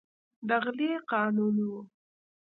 د غلې قانون و.